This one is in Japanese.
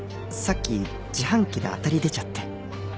さっき自販機で当たり出ちゃって